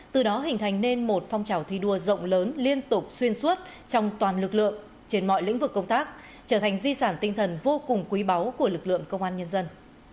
từ đó hình thành nên một phong trào thi đua rộng lớn liên tục xuyên suốt trong toàn lực lượng trên mọi lĩnh vực công tác trở thành di sản tinh thần vô cùng quý báu của lực lượng công an nhân dân